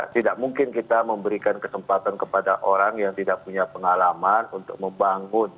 tidak mungkin kita memberikan kesempatan kepada orang yang tidak punya pengalaman untuk membangun